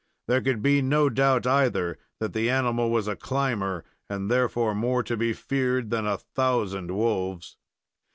There could be no doubt, either, that the animal was a climber, and therefore more to be feared than a thousand wolves.